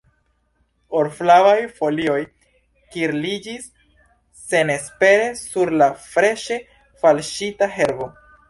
Or-flavaj folioj kirliĝis senespere sur la freŝe falĉita herbo.